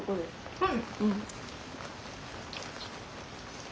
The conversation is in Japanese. うん。